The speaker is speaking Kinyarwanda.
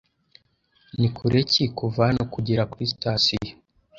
Ni kure ki kuva hano kugera kuri sitasiyo?